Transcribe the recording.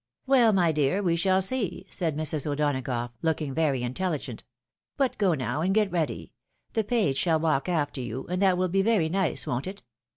" Well, my dear, we shall see, said Mrs. O'Donagough, look ing Tery intelligent. " But go now' and get ready. The page shall walk after you, and that will be very nice, won't it